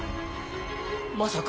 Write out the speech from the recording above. まさか。